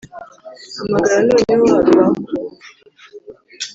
Hamagara noneho hariuwakumva